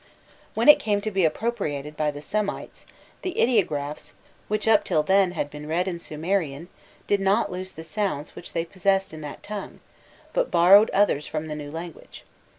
When it came to be appropriated by the Semites, the ideographs, which up till then had been read in Sumerian, did not lose the sounds which they possessed in that tongue, but borrowed others from the new language.